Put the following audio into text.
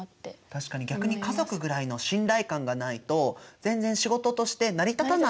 確かに逆に家族ぐらいの信頼感がないと全然仕事として成り立たない仕事だもんね。